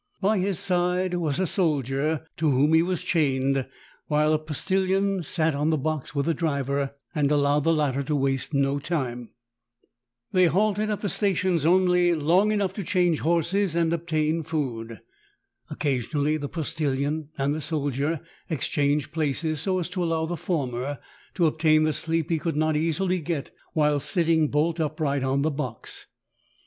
By his side was a soldier, to whom he was chained, while a pos tillion sat on the box with the driver, and allowed the latter to waste no time. They halted at the 110 THE TALKING HANDKERCHIEF. stations only long enough to change horses and obtain food. Occasionally the postillion and the soldier exchanged places, so as to allow the former to obtain the sleep he could not easil}^ get while vsit ting bolt upright on the box.